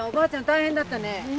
大変だったねぇ。